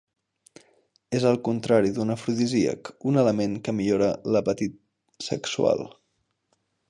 És el contrari d'un afrodisíac, un element que millora l'apetit sexual.